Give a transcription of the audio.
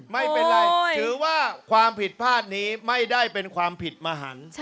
ไม่เป็นไรถือว่าความผิดพลาดนี้ไม่ได้เป็นความผิดมหัน